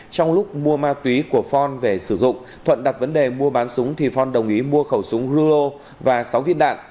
trong lúc mua ma túy của phong về sử dụng thuận đặt vấn đề mua bán súng thì phong đồng ý mua khẩu súng rulo và sáu viên đạn